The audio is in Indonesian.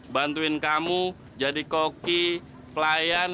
bantuin kamu jadi koki pelayan